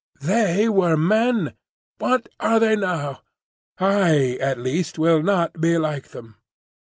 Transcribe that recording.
"They were men: what are they now? I at least will not be like them."